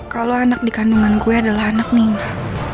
kalau anak di kandungan gue adalah anak nino